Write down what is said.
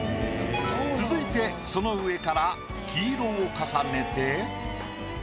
続いてその上から黄色を重ねて。